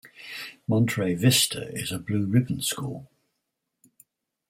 Monterey Vista is a Blue Ribbon School.